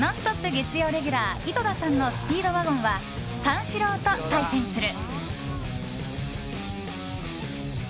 月曜レギュラー、井戸田さんのスピードワゴンは三四郎と対戦する。